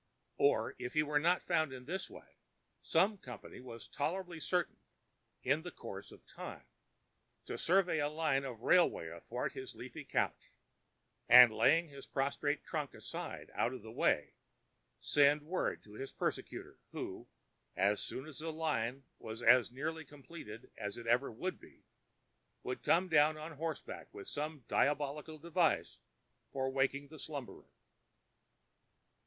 Or if he was not found in this way, some company was tolerably certain, in the course of time, to survey a line of railway athwart his leafy couch, and laying his prostrate trunk aside out of the way, send word to his persecutor; who, as soon as the line was as nearly completed as it ever would be, would come down on horseback with some diabolical device for waking the slumberer.